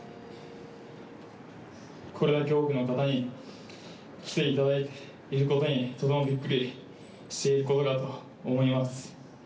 これだけ多くの方に来ていただいていることに、とてもびっくりしていることだと思います。